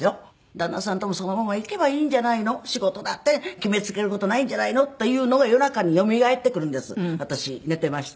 旦那さんともそのままいけばいいんじゃないの仕事だって決めつける事ないんじゃないのというのが夜中によみがえってくるんです私寝ていまして。